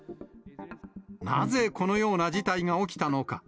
なぜこのような事態が起きたのか。